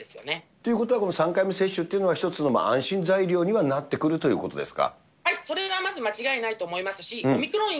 ということはこの３回目接種というのは、一つの安心材料にはなってくるということですか？